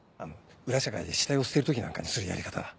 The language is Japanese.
裏社会で死体を捨てる時なんかにするやり方だ。